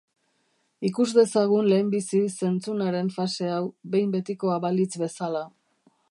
Ikus dezagun lehenbizi zentzunaren fase hau, behin betikoa balitz bezala.